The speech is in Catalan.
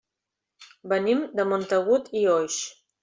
Venim de Montagut i Oix.